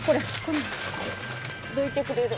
どいてくれる？